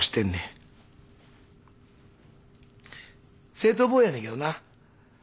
正当防衛やねんけどな。